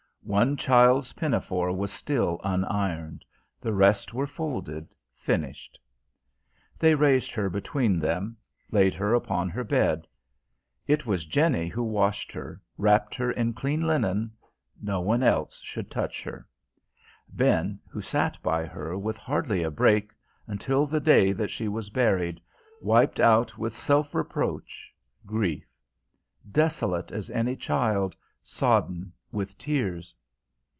One child's pinafore was still unironed; the rest were folded, finished. They raised her between them, laid her upon her bed. It was Jenny who washed her, wrapped her in clean linen no one else should touch her; Ben who sat by her, with hardly a break, until the day that she was buried, wiped out with self reproach, grief; desolate as any child, sodden with tears.